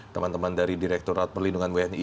teman teman dari direkturat perlindungan wni